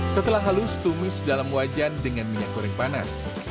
setelah halus tumis dalam wajan dengan minyak goreng panas